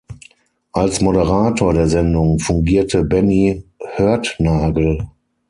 Als Moderator der Sendung fungierte Benny Hörtnagl.